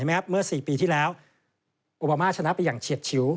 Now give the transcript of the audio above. เมื่อ๔ปีที่แล้วโอบามาชนะไปอย่างเฉียดชิว